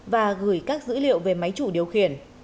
và gửi các dữ liệu về máy chủ điều khiển